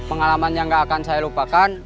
pengalaman yang gak akan saya lupakan